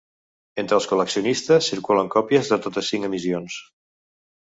Entre els col·leccionistes circulen còpies de totes cinc emissions.